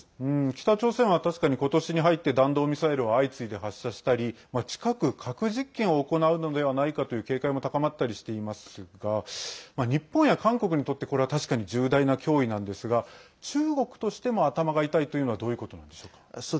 北朝鮮は確かにことしに入って弾道ミサイルを相次いで発射したり近く核実験を行うのではないかという警戒も高まったりしていますが日本や韓国にとってこれは確かに重大な脅威なんですが中国としても頭が痛いというのはどういうことなんでしょうか。